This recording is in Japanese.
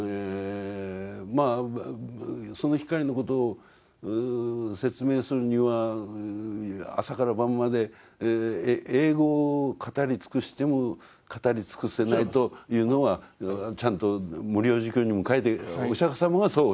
まあその光のことを説明するには朝から晩まで永劫語り尽くしても語り尽くせないというのがちゃんと「無量寿経」にも書いてお釈様がそうおっしゃってらっしゃる。